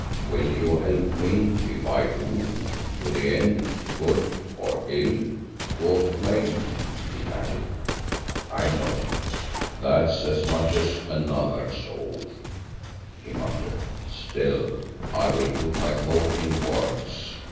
"Will you help me if I do, to the end, good or ill, Quatermain?" he added. I nodded. "That's as much as another's oath," he muttered. "Still, I will put my thought in words.